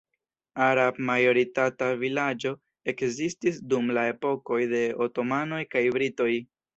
Arab-majoritata vilaĝo ekzistis dum la epokoj de Otomanoj kaj Britoj.